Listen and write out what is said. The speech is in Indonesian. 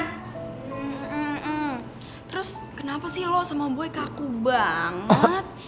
hmm hmm hmm terus kenapa sih lo sama boy kaku banget